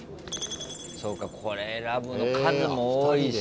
そうかこれ選ぶの数も多いし。